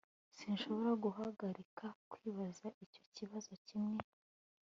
Sinshobora guhagarika kwibaza icyo kibazo kimwe